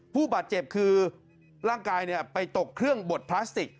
ผู้บาดเจ็บคือร่างกายไปตกเครื่องบดพลาสติก